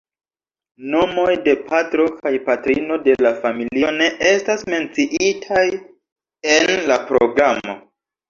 Nomoj de patro kaj patrino de la familio ne estas menciitaj en la programo.